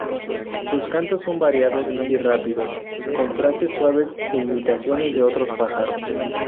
Sus cantos son variados y rápidos, con frases suaves e imitaciones de otros pájaros.